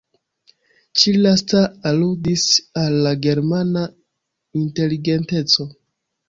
Ĉi-lasta aludis al la germana inteligenteco.